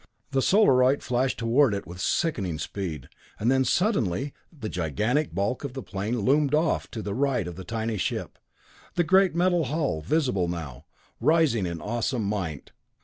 The Solarite flashed toward it with sickening speed, then suddenly the gigantic bulk of the plane loomed off to the right of the tiny ship, the great metal hull, visible now, rising in awesome might.